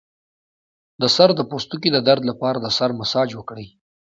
د سر د پوستکي د درد لپاره د سر مساج وکړئ